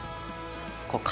こうか！